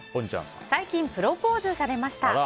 最近、プロポーズされました。